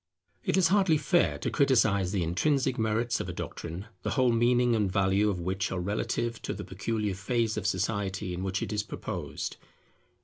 It is hardly fair to criticize the intrinsic merits of a doctrine, the whole meaning and value of which are relative to the peculiar phase of society in which it is proposed.